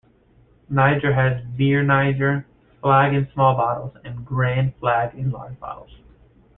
Niger has Biere Niger, Flag in small bottles, and Grand Flag in large bottles.